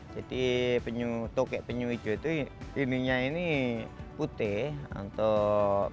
jadi tokek penyu hijau itu ini putih untuk kerapasnya ini